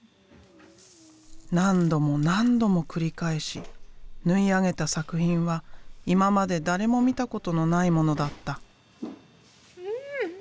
何度も何度も繰り返し縫い上げた作品は今まで誰も見たことのないものだった。